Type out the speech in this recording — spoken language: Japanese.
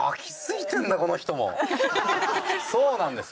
そうなんですよ。